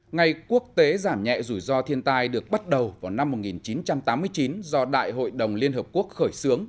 ngày quốc tế giảm nhẹ rủi ro thiên tai được bắt đầu vào năm một nghìn chín trăm tám mươi chín do đại hội đồng liên hợp quốc khởi xướng